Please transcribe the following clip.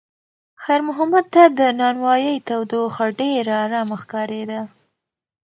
خیر محمد ته د نانوایۍ تودوخه ډېره ارامه ښکارېده.